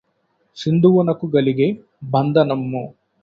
సింధువునకు గలిగె బంధనమ్ము